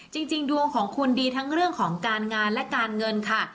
จริงดวงของคุณดีทั้งเรื่องของการงานและการเงินค่ะ